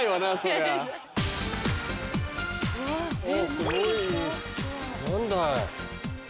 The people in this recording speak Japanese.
すごい何だ？